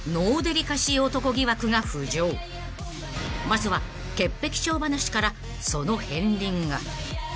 ［まずは潔癖症話からその片りんが］